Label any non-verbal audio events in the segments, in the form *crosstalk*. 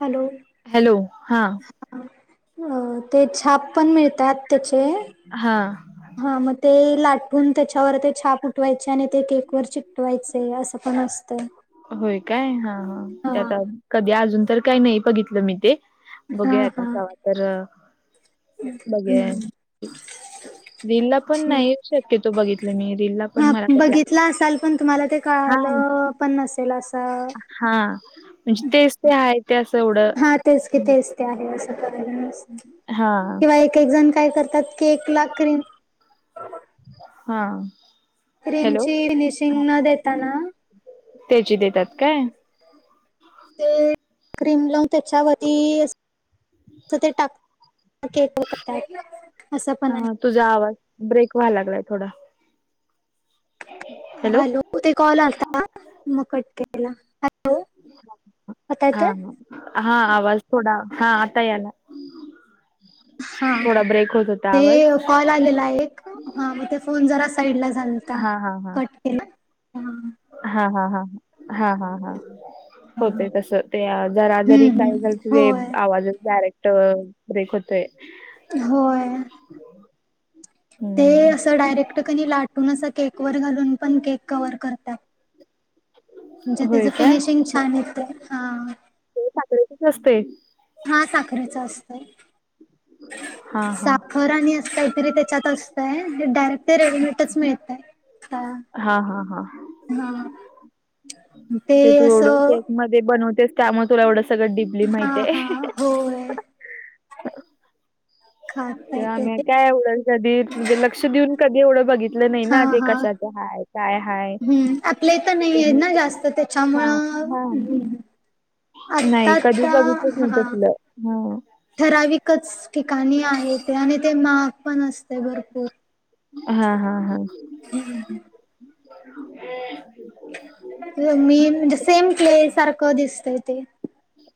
Hello. Hello हा. ह अ ते छाप पण मिळतात त्याचे हा. हा मग ते लाटून त्याच्यावर ते छाप उठवायचे. आणि ते केकवर चिकटवायचे असं पण असतं. होय काय हा हा त्यात कधी अजून तर काही नाही बघितलं मी ते बघे हा आता हा कावा तर बघे. हम्म. रीलला पण नाही ये शक्य तो बघितला मी रीलला. हा बघितला असाल पण तुम्हाला ते हा कळालं पण नसेल असं. हा म्हणजे ते ते आहे ते असं एवढं हा तेच किथच ते आहे. असं हा किंवा एक एक जण काय करतात केक ला क्रीम हा. हॅलो रिंगची फिनिशिंग न देताना. त्याची देतात काय. ते क्रीम लावून त्याच्यावर ते टाक. *inaudible* असं पण आहे. हा तुझा आवाज ब्रेक व्हायला लागलाय थोडा हॅलो ते कॉल आलता म कट केला. हॅलो आता हा येतोय? ह हा आवाज थोडा हा आता याला हा थोडा ब्रेक होत होता ते आवाज कॉल आलेला एक. हा. मग ते फोन जरा साईड ला झालता. हा हा हा कट केला. हां. हा. हा. हा. हा. हा. हा. होतय तस. ते जरा जरी हम्म हम्म काय झाल त ते होय आवाजच डायरेक्ट. -ट ब्रेक होतय. होय. ते हम्म असं डायरेक्ट कनि लाटून अस केक वर घालून पण केक कव्हर करतात. म्हणजे होय त्याचं काय फिनिशिंग छान येत. साखरेचच असतय. हा. साखरेच असतय. हा हा साख- *unintelligible* आणि अस काहीतरी त्याच्यात असतंय. आणि डायरेक्ट ते रेडीमेटच मिळतय. हा. हा हा हा हां. ते तू एवढं केक असं- ते बनवतेस त्यामुळे तुला एवढं सगळं डीपली हा माहीतीये. खाताय *unintelligible* काय एवढं कधी म्हणजे लक्ष देऊन कधी एवढं बघितलं नाही हा ना ते हा कशात. हम्म. आपल्या इथं नाहीए ना जास्त हा हा त्याच्यामुळ- *unintelligible* नाही. कधी बघितच नव्हतं *unintelligible* हा. ठराविकच ठिकाणी आहे ते. आणि ते महाग पण असत. -य भरपूर. हा हा हा हा हं. मी म्हणजे सेम क्ले सारखं दिसतय ते.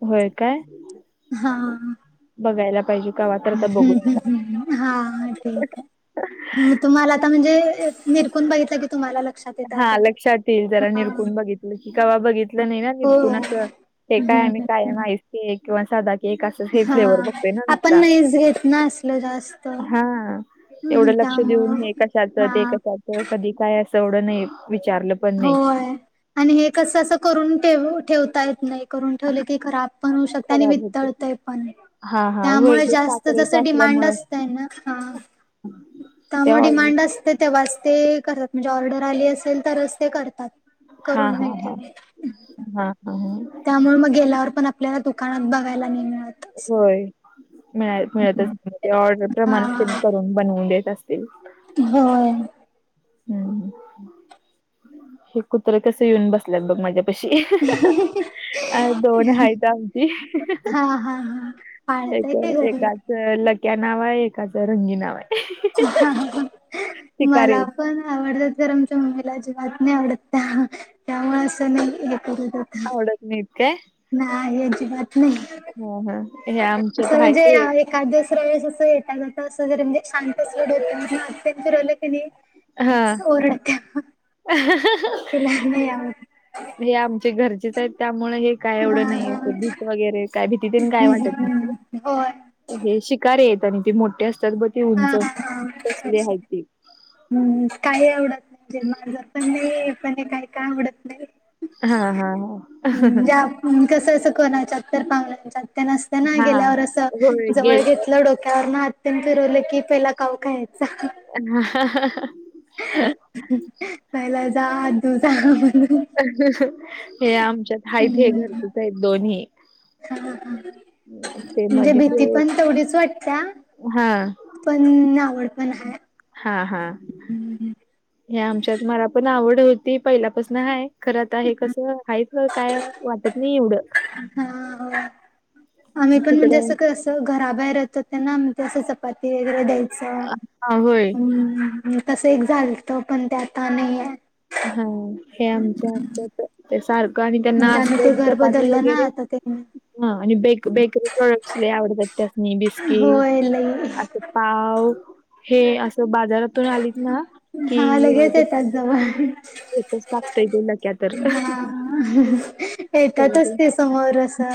व्हय काय? हा. बघायला पाहिजे. कवा तर आता बघू हम् हम्. हा. ठीक आहे. तुम्हाला आता म्हणजे निरखून बघितलं की - हा. लक्षात येईल. जरा हा निरखुन बघितलं कि. कवा बघितलं नाही ना हो निरकुन असं. ते काय हम्म आम्ही कायम *unintelligible* किंवा सदा- एक असं हे हा फ्लेवर बघतेय ना आपण नुसता. नाहीच घेत ना असलं जास्त हा. हम्म एवढं लक्ष देऊन त्यामुळं हे कशाचं? हा ते कशाच? कधी काय? असं एवढं नाही विचारलं. पण नाही होय. आणि हे कसं असं करून ठेव ठेवता येत नाही. करून ठेवले की खराब- पण होऊ शकत आणि खराब होत वितळतय पण. हा हा होय त्यामुळे ते जास्त जस साखरेच डिमांड असल्यामुळं असतय ना. हां. ते त्यामुळे ऑर्डर डिमांड असते तेव्हाच ते करतात. म्हणजे ऑर्डर आली असेल तरच ते करतात. हा. करून नाही हा. ठेवत हा. *unintelligible* त्यामुळे मग गेल्यावर पण आपल्याला दुकानात बघायला नाही मिळत. असं होय. मि मिळतच नाही. ते ऑर्डर प्रमाणच त्यां हा करून बनवून देत असतील. होय. हम्म. हे कुत्रे कसे येऊन बसलेत बघ माझ्या - पाशी. आहेत दोन हायती. पाळतांय काय घरी? *unintelligible* लक्या नाव आहे. एकाचं रंगी नाव आहे. शिकारी मला- आहेत पण आवड ए. पण आमच्या मम्मीला अजिबात नाही आवडत. त्या त्यामुळे असं मी हे करत होत- आवडत नाहीत काय? नाही अजिबात. नाही. हो हा हे आमचे भायली हेत एखाद्यास वेळेसं असं येता जाता असं जरी म्हणजे शांत स *unintelligible* हा ओरडत्या. *unintelligible* तीला नही *unintelligible* हे आमचे घरचेच आहेत त्यामुळ, हे काय हा एवढं नाही हा असं भीत वगैरे. काय भीतीतिनं काय हम्म हम्म वाटतन हम्म. होय. हे शिकारी हेत आणी ते मोठे असतात बघ. ते हा उंच हा तसले आहेत ते हूं काय एवढं. ते माझं पण नहीये पण ये काय, काय आवडत नाही. हा हा हा! अन कसं अस कोणाच्या तर पाहणा च्यात ते नसत ना, हा हा गेल्यावर अस होय जवळ गेल्या घेतलं डो क्या वरन हात पण फिरवलं की त्याला कावू खांयचा. *unintelligible* पहिला जा हात धुजा म्हण. हे आमच्यात आहेत हे हम्म घरचेच आहेत दोन्ही. हा हा ते म्हणजे मधीच भीती पण तेवढीच वाटत्या. हा पण आवड पण हा हा. *inaudible* हे आमच्यात मला पण आवड होती, पहिल्यापसन आहे खरं त हे कसं आहे. सं काय वाटत नही एवढं. हा हा! आम्ही पण म्हणजे तिकडं असं कसं, घराबाहेर येता त्यांना म ते असं चपाती वगैरे द्याय चा हा होय मं तस एक झालत, पण ते आता नहिय. हा हे आमच्या आत्याच ते सार आणि त्यांना म्हणजे आम्ही असलं ते घर चपाती बदललं ना वगैरे. आता ते हा आणि बेक-बेकरी प्रॉडक्टस लयी आवडतात त्यासनी, बिस्किट होय लई असं पाव. हे असं बाजारातून आलीत ना की तेच येतात जवळ. स्टेटस टाकता येते लक्यातर. हा येतातच ते समोर असं.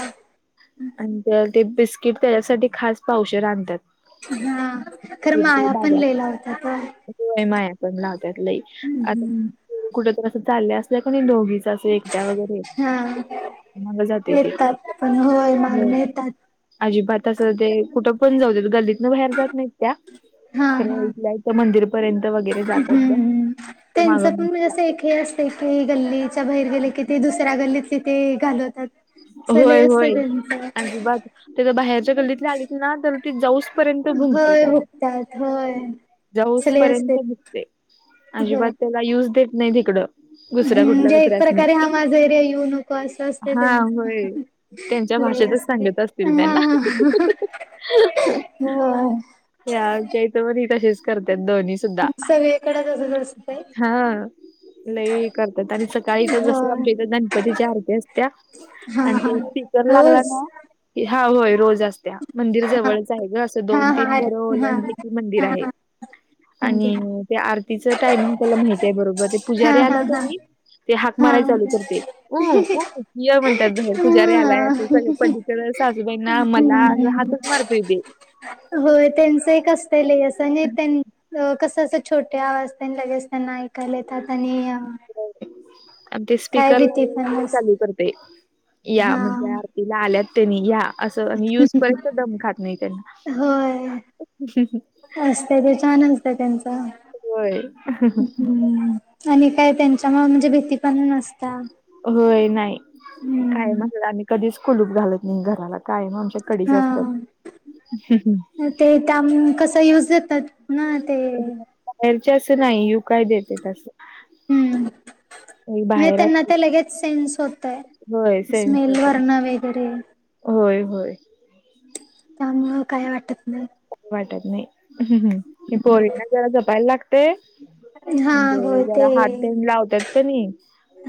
आण त्याला ते बिस्किट त्याच्यासाठी खास पावशेर आणत्यात. हा खर माया पण लयी लावत्यात हो. होय माया पण लावत्यात लयी आता कुढ पण अस चालले अस त्या पण ए दोघीच असं एकट्या वगैरे. हा माग जातय ते येतात पण होय मागन येतात. अजिबात असं ते कुठं पण जाऊ देत, गल्लीतन बाहेर जात नाहीत त्या हा खर हा इतल्या इ. त मंदिर पर्यंत वगैरे जातात त्या. हम्म त्या माग त्यांचं माग पण म्हणजे असं जातात एक हे असतय की गल्लीच्या बाहेर गेल की ती दुसऱ्या गल्लीतली ते घालवतात. असं होय, लय असतय होय त्यांचं आजीबात ते ज बाहेरच्या गतलीतले आलित ना तर ते जाऊस पर्यंत भुंकतंय होय त्याला, हुकतात होय असं जाऊस लय असतय पर्यंत भुकते. अजिबात त्याला युज देत नाही तिकडं. ह दुसऱ्या कुठल्या म्हणजे एक प्रकारे कुत्र्यासनी हा माझा एरिया येऊ नको असंस. हा होय त्यांच्या लयी भाषेतच आसतय सांगत असतील त्यांना. हा. हो! या आमच्या इत पन ही तशीच करत्यात दोन्ही सुद्धा सगळी कड तसच आसतय. हा लई करतात आणि सकाळीतर जसं इथ होय. आमच्या इथं गणपतीची आरती असते. हा आणि हा त स्पीकर लागला रोज ना हा होय रोज आसत्या. मंदिर हा जवळच आहे ग असं हा दोन हा तीन अर घरं हा ओलांडली की मंदिर हा आहे. हा. आणि मंदिरात त्या आरतीच टायमिंग त्याला माहती आहे बरोबर. ते हा पुजारी आला हा का हा हा नही हाक हा. माराय चालू करतय ऊ ऊ. ये म्हणत्यात *unintelligible* पुजारी आलाय हम्म असं पलीकड सुसबाई ना मला अंस हाकच मारतय ते. होय त्यांच एक आसतचा लय आणि कसं असं छोट्या अवाज त्यांना लगेच त्यांना ऐकायला येतात आणि आप ते काय स्पीकर भीती लावल्या पण लावल्या नस चालू करतय या हा म्हणजे आरतीला आल्यात त्यानी या. असं आणि युज पर्यंत दम खात नाही त्यांना. आसतय ते छान असतंय त्यांचं. व्हय. आणि काय त्यांच्या म म्हणजे भीती पण नसते. होय नाही काय हम्म. म्हटलं आणि कधीच कुलूप घालत नाही घराला काय ना आमच्या कडी जा हा असतात. ते त्या म कसा यूज जातात ना ते बाहेरचे असं नाही यू काय देते असं? हम्म ने बाहेर त्यांना ते लगेच सेन्स होतय. होय सेन्स स्मेल होतात. वर्ण वगैरे. होय होय. त्या मुळ काय वाटत नाही. भिती वाटत नाही हे पोरीना जरा जपायला लागते. हा म्हणजे होय ते जरा हात प लावतात का नाही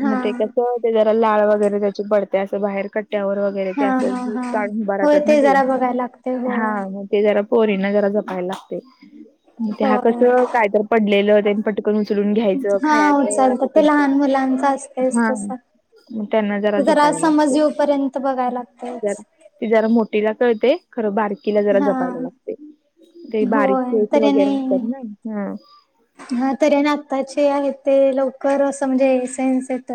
हा मग ते कस ते जरा लाळ वगैरे त्याचे पडते अस बार कट्ट्यावर वर हेली हा असलं हा ते हा काढून उभ होय राहतात ना ते जरा बघायला लागते हा होय. ते जरा पोरींना ते जरा जपायला लागते. हो त्या कस काय तर पडलेलं त्यानी पटकन उचलून घ्यायचं खायाचं सारखं ते लहान मुलांचं असतंयच तसं. मग त्यांना ते जरा जपायला समज लागते. येऊपर्यंत बघायला लागतयेच. जरा ती जरा मोठीला कळते खरं बारकीला जरा जप हा. ते बारीक होय तुळस तऱ्हेने वैगेर आसतात ना हम्म. हा तरी आणि आताचे आहे ते लवकर असं म्हणजे सन्स येत.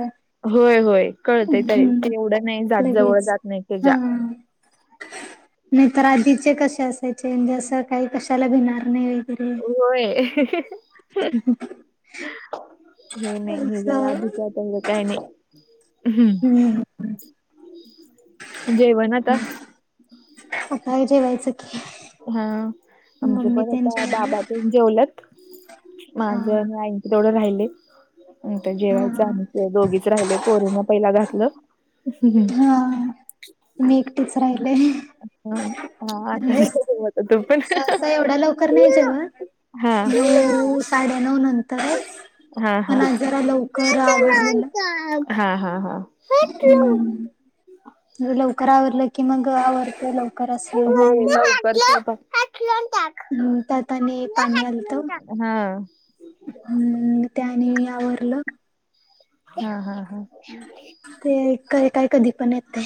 होय होय कळतय तरी हम्म ते एवढं नाही जात जवळ लगेच जात नाही हा त्याच्या. नाही तर आधीचे कसे असायचे म्हणजे जसं काही कशाला भिणार नाही वगैरे होय, हे नाही हे असं जरा आधिकच एवढ काय नाही, हम्म जेवान आता आता हे जेवायचं की. हा आमचे मम्मी पण तेन आता जेवले बाबात जेवलात, हा माझ आणि आईचे तेवढं राहिलय. आता हा जेवायचं आम्ही दोघीच राहिलोये पोरीना पहिला घातलं. हा मी एकटिच राहिले. हा हा आता हेच, जेव आता तू पण सहसा एवढ्या लवकर नाही जेवत. हा हा नऊ - साडे नऊ नंतरच- हा -हा पण आज जरा लवकर आवरलेलं हा - हा -हा हम्म लवकर आवरलं की मग आवरतय लव लवकर स्वयंपाक *unintelligible* हम् त्यात आणि न पाणी आलत. हाटलून टाक हा हम् ते आणि आवरलं- हा हा हा.... ते कय काय कधी पण येतयं-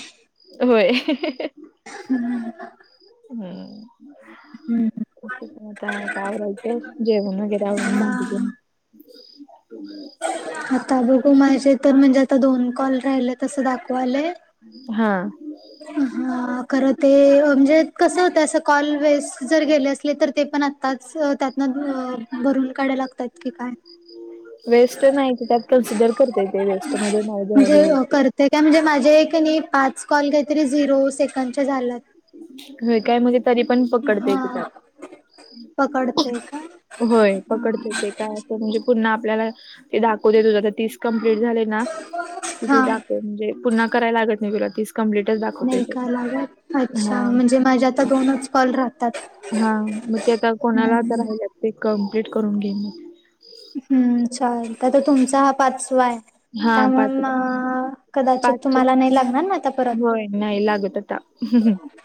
व्हय *unintelligible* हम्म हम्म. हम् म - - काय आताआवरायचं जेवण वैगरे आवरून भांडी तेन आता बघु माझे तर म्हणजे आता दोन कॉल राहिले तस दाखवालंय- हा. हा खरं ते म्हणजे कस होतंय असं कॉल वइस जर गेले असले तर ते पण आताच त्यातन अ भरून काढायला लागतात की काय? वेस्ट नाही त्यात कन्सिडर करतय ते वेस्ट मध्ये नाही हे घे होत ते. ते काय म्हणजे माझे कणी पाच कॉल काहीतरी झिरो सेकंदचे झाल्यात. होय काय मग तरी पण पकडतय की हा त्यात. पकडते का होय पकडतय ते. काय प म्हणजे पुन्हा आपल्याला ते दाखवतय तुझ आता तीस कंप्लीटच झालय ना तिथ हा दाखव म्हणजे पुन्हा करायला लागत नाही तुला तीस कंप्लीटच दाखवतय ते. *unintelligible* हा म्हणजे माझे आता दोनच कॉल राहतात हा म ते आता कोणाला आता राहिल्यात? ते कम्प्लीट करून घे मग हम्म छान आता तुमचा हा पाचवा आहे? हा पाच त्यामुळे ना कदाचित पाचच्या तुम्हाला नाही लागणार ना आता परत होय नाही लागत आता.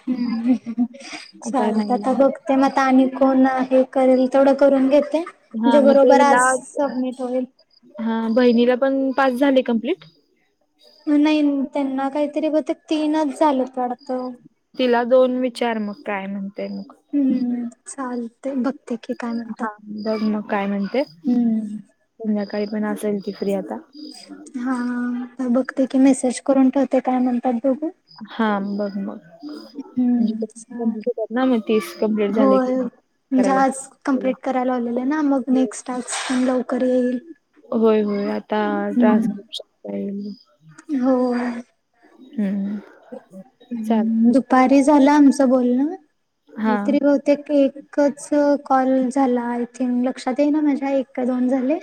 हम्म चालता नाही आता बघ लागत ते म आता आणि कोण हे करेल तेवढं करून घेते. हा म्हणजे मग ते बरोबर हिला आज सबमिट होईल. हा बहिणीला पण पास झाले कंप्लीट. नाही त्यांना काहीतरी बहुतेक तीनच झालेत वाडत. तिला दोन विचार मग काय म्हणतेय मग. हम्म चालतय बघ हा बघ मग काय म्हणते. हम्म संध्याकाळी पण असेल ती फ्री आता. हा आता बघते की मेसेज करून ठेवते काय म्हणतात बघु. हा बघ मग म्हणजे हम्म चालेल. कंम्प्लीट होतात ना मग तीस कमप्लीट झाले की होय मग. म्हणजे करायला आज कंप्लीट करायला लावलेलं ना मग नेक्स्ट टास्क लवकर येईल. होय होय आता ट्रान्सस्क्रीप्शन चा येईल. हो. हम्म. चाल दुपारी झाल आमचं बोलणं हा एतील बहु ते एकच कॉल झाला आय थिंक लक्षात येई ना माझ्या एक का दोन झाले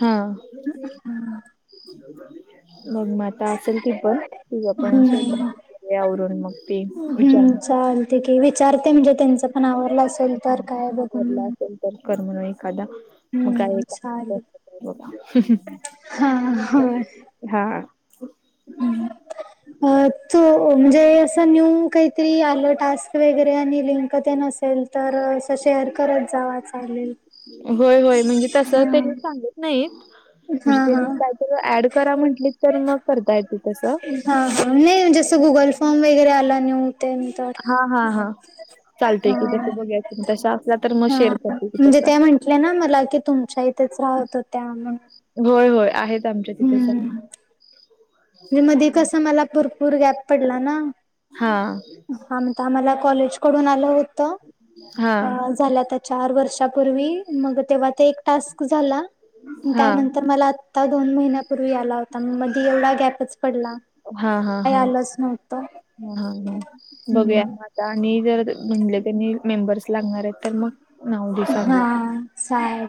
हा मग मात ता असेल ती पण त आपण हम्म. शवरून मग त विचार ते की विचारते म्हणजे त्यांच पण आवरलं असेल हा तर काय बघू आवरला असेल कर म्हणून एखादा मग कायबा चालेल हा हा *unintelligible* तु म्हणजे असं न्यू काहीतरी आलं टास्क वग आणि लिंक ते असेल तर अस शेअर करत जावा चालेल होय, होय म्हणजे तस हा त्यांनी सांगत नाहीत म्हणजे हा हा तेनी काय स ऍड करा म्हंटली तर मग करता येत तसं हा, हा नाही जसं गुगल फॉर्म वगैरे आला न्यू तेन तर हा, हा, हा चालतय हा की तस बघूया की तसा असल्या तर मग शेअर करते की तसा म्हटले ना मला की तुमच्या इथेच राहत होत्या म्हण होय, होय आहेत आमच्या तिथेच आहे म्हणजे मध्ये कसं मला भरपूर गॅप पडला ना हा हा आम्हाला कॉलेज कडून आलं होत हा झाल्यात चार वर्षापूर्वी मग तेव्हा ते एक टास्क झाला हा त्यानंतर मला आत आता दोन महिन्यापूर्वी आला होता मधी एवढा गॅप हा, हा, हा, नव्हतं. हा, हा बघूया हम्म. आणि जर म्हणले त्यांनी मेंबर्स लागणार आहेत तर मग नाव दे हा सांगू चालत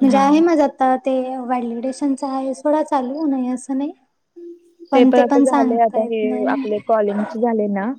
म्हणजे हा आहे माझा आता ते व्हँलीडेशन च आहे सोडा चालू नाही असं नाही ते पण आता झालं आता हे आपले कॉलिंग झाले ना